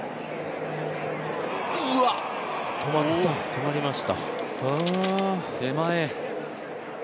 止まりました、手前。